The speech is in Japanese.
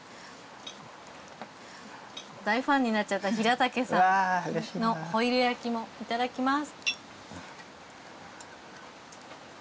大ファンになっちゃったヒラタケさんのホイル焼きもいただきます。